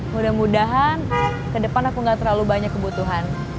mudah mudahan kedepan aku gak terlalu banyak kebutuhan